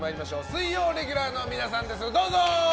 水曜レギュラーの皆さんです。